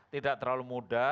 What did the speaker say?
tidak terlalu muda